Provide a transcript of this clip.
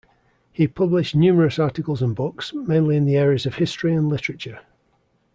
He published numerous articles and books, mainly in the areas of history and literature.